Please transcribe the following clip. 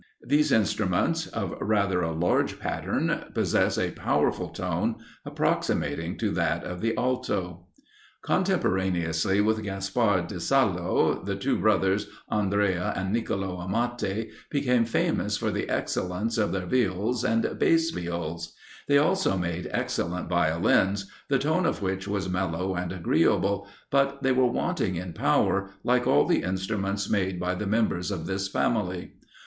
These instruments, of rather a large pattern, possess a powerful tone, approximating to that of the Alto. Contemporaneously with Gaspard di Salo, the two brothers, Andrea and Nicolo Amati became famous for the excellence of their Viols and Bass Viols; they also made excellent Violins, the tone of which was mellow and agreeable, but they were wanting in power, like all the instruments made by the members of this family.